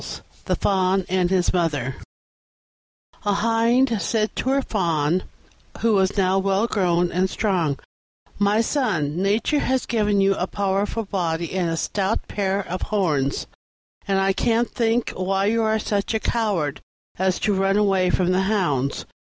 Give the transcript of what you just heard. THE FAWN AND HIS MOTHER A Hind said to her Fawn, who was now well grown and strong, "My son, Nature has given you a powerful body and a stout pair of horns, and I can't think why you are such a coward as to run away from the hounds."